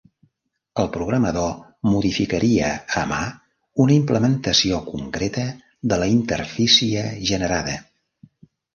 El programador modificaria a mà una implementació concreta de la interfície generada.